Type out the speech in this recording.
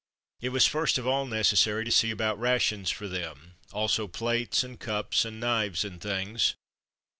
It was first of all necessary to see about rations for them, also plates and cups and knives and things.